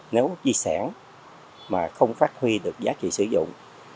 nếu di sản mà không phát huy được giá trị sử dụng